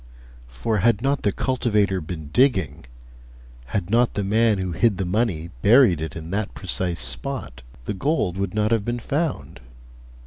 For had not the cultivator been digging, had not the man who hid the money buried it in that precise spot, the gold would not have been found.